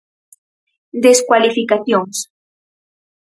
Descualificacións.